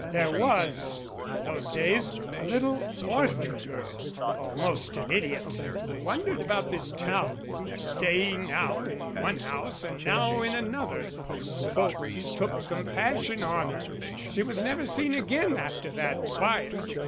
"There was, in those days, a little orphan girl, almost an idiot, who wandered about this town, staying now in one house and now in another as folks took compassion on her. She was never seen agin after that fire.